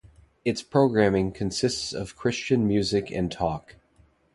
Its programming consists of Christian music and talk.